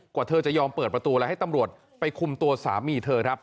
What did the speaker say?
กว่าเธอจะยอมเปิดประตูแล้วให้ตำรวจไปคุมตัวสามีเธอครับ